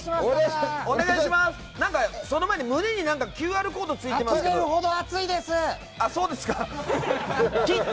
その前に、胸にＱＲコードがついてますけど。